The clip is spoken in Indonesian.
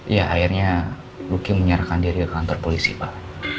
ya akhirnya luki menyerahkan diri ke kantor polisi pak